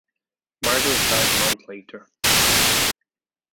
Margaret died a month later.